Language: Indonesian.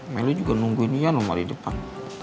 meli juga nungguin iyan lo mah di depan